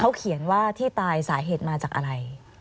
เขาเขียนว่าที่ตายสาเหตุมาจากอะไร